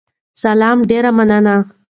سلام، ډیره مننه